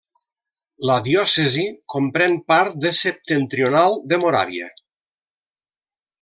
La diòcesi comprèn part de septentrional de Moràvia.